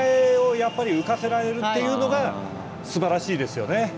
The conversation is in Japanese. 浮かせられるっていうのがすばらしいですよね。